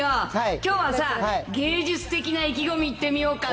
きょうはさ、芸術的な意気込みいってみようかな。